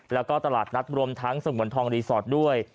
แล้วก็ตลาดนัดรวมทั้งสงวนทองรีสอร์ทด้วย